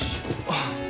あっ。